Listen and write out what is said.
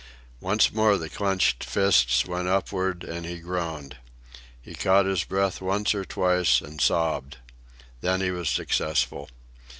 Once more the clenched fists went upward and he groaned. He caught his breath once or twice and sobbed. Then he was successful.